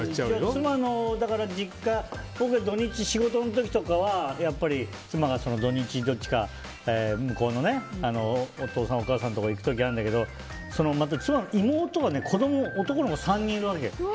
妻の実家僕が土日、仕事の時とかはやっぱり妻が土日どっちか向こうのお父さん、お母さんのところに行く時があるけど妻の妹が子供、男の子３人いるわけよ。